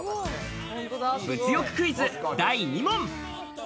物欲クイズ第２問！